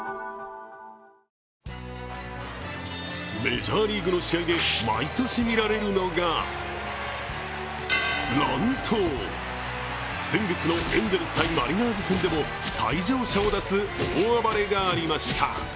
メジャーリーグの試合で毎年見られるのが乱闘、先月のエンゼルス×マリナーズ戦でも退場者を出す大暴れがありました。